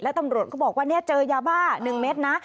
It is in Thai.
ตำรวจก็บอกว่าเจอยาบ้า๑เม็ดนะ